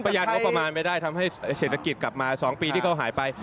ยันงบประมาณไม่ได้ทำให้เศรษฐกิจกลับมา๒ปีที่เขาหายไป